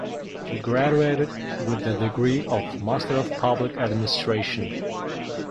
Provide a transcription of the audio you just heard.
She graduated with the degree of Master of Public Administration.